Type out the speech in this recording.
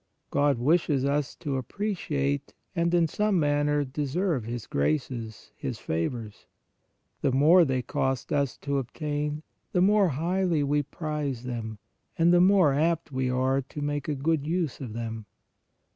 God wishes us to ap preciate and, in some manner, deserve His graces, His favors. The more they cost us to obtain, the more highly we prize them, and the more apt we are to make a good use of them.